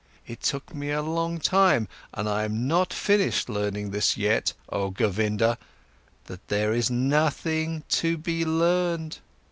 It took me a long time and am not finished learning this yet, oh Govinda: that there is nothing to be learned!